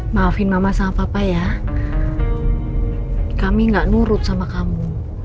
maafin mama sama papa ya kami gak nurut sama kamu